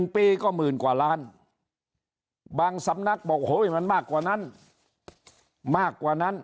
๑ปีก็หมื่นกว่าล้านบาทบางสำนักบอกโอ้โหมันมากกว่านั้น